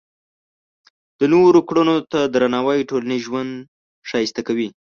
د نورو کړنو ته درناوی ټولنیز ژوند ښایسته کوي.